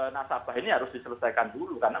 nasabah ini harus diselesaikan dulu karena